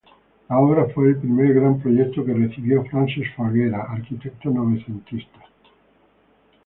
La obra fue el primer gran proyecto que recibió Francesc Folguera, arquitecto novecentista.